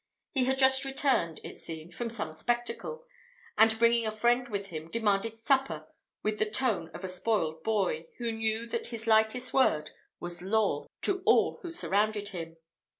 He had just returned, it seemed, from some spectacle, and bringing a friend with him, demanded supper with the tone of a spoiled boy, who knew that his lightest word was law to all who surrounded him.